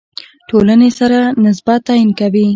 ټولنې سره نسبت تعیین کوي.